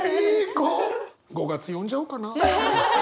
５月呼んじゃおうかな。